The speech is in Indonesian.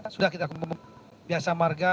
sudah kita biasa marga